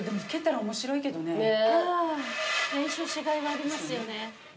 練習しがいがありますよね。